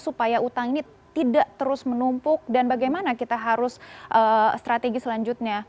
supaya utang ini tidak terus menumpuk dan bagaimana kita harus strategi selanjutnya